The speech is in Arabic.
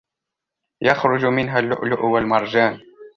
يَخْرُجُ مِنْهُمَا اللُّؤْلُؤُ وَالْمَرْجَانُ